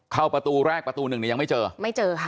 เข้าประตูแรกประตูหนึ่งเนี่ยยังไม่เจอไม่เจอค่ะ